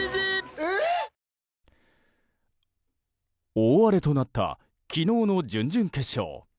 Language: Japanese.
大荒れとなった昨日の準々決勝。